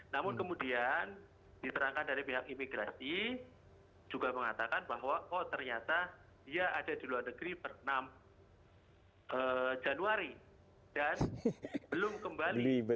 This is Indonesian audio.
namun kemudian diterangkan dari pihak imigrasi juga mengatakan bahwa oh ternyata dia ada di luar negeri per enam januari dan belum kembali